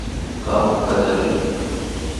Kamu kallaripi